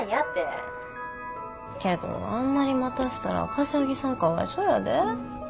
けどあんまり待たしたら柏木さんかわいそうやで。